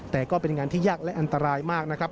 แต่ก็เป็นงานที่ยากและอันตรายมากนะครับ